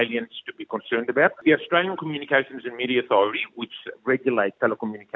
jadi meskipun iphone melepaskan limitnya tidak akan menyebabkan efek kesehatan